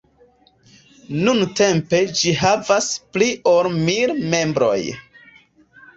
Nuntempe ĝi havas pli ol mil membroj.